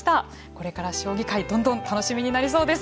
これから将棋界どんどん楽しみになりそうです。